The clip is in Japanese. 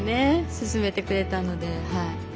勧めてくれたのではい。